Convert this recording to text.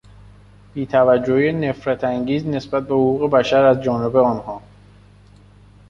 بیتوجهی نفرتانگیز نسبت به حقوق بشر از جانب آنها